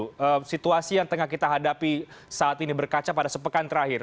bagaimana situasi yang tengah kita hadapi saat ini berkaca pada sepekan terakhir